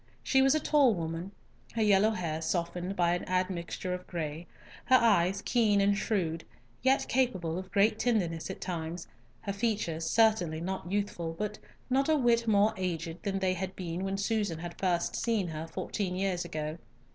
She was a tall woman, her yellow hair softened by an admixture of gray, her eyes keen and shrewd, yet capable of great tenderness at times, her features certainly not youthful, but not a whit more aged than they had been when Susan had first seen her fourteen years ago.